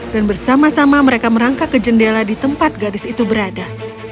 dan bersama sama mereka merangkak ke jendela di tempat gadis itu berada